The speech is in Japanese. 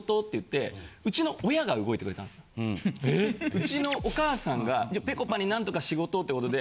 ・うちのお母さんがぺこぱに何とか仕事をって事で。